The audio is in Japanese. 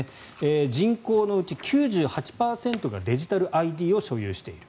人口のうち９８％がデジタルＩＤを所有している。